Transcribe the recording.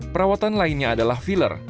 perawatan lainnya adalah filler